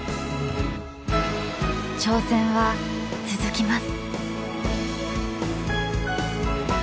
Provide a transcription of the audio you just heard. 挑戦は続きます。